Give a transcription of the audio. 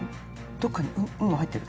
どっかに「ン」も入ってる？